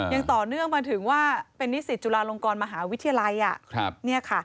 ยังต่อเนื่องมาถึงว่าเป็นนิสิตจุฬาลงกรมหาวิทยาลัย